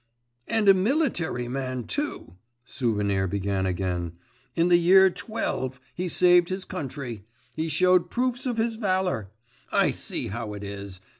'And a military man too!' Souvenir began again. 'In the year twelve, he saved his country; he showed proofs of his valour. I see how it is.